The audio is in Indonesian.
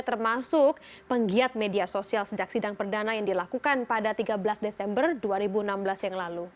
termasuk penggiat media sosial sejak sidang perdana yang dilakukan pada tiga belas desember dua ribu enam belas yang lalu